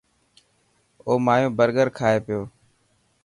او مايو برگر کائي پيو.